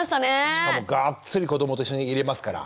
しかもがっつり子どもと一緒にいれますから。